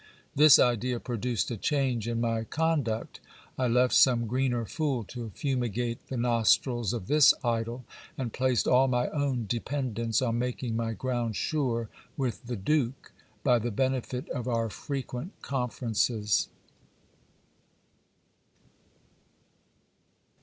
This idea produced a change in my con duct. I left some greener fool to fumigate the nostrils of this idol ; and placed all my own dependence on making my ground sure with the duke, by the benefit of our frequent conferences.